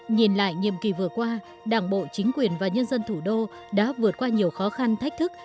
nhìn lại nhiệm kỳ vừa qua đảng bộ chính quyền và nhân dân thủ đô đã vượt qua nhiều khó khăn thách thức